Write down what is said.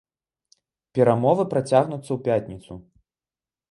Перамовы працягнуцца ў пятніцу.